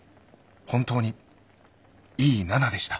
本当にいい７でした。